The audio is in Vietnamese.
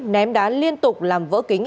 ném đá liên tục làm vỡ kính